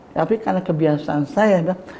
tapi karena kebiasaan saya dok